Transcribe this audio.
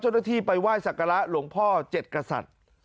เจ้าหน้าที่ไปไหว้สักการะหลวงพ่อ๗กษัตริย์